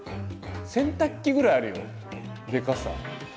洗濯機ぐらいあるよでかさ。